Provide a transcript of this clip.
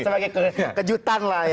sebagai kejutan lah ya